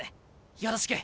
よろしく。